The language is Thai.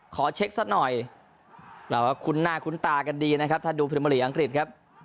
ขอเช็คสักหน่อยเราก็คุ้นหน้าคุ้นตากันดีนะครับถ้าดูพรีเมอร์ลีกอังกฤษครับ